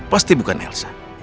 pasti bukan elsa